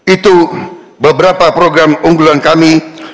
itu beberapa program unggulan kami